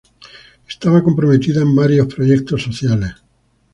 Estaba comprometida en varios proyectos sociales.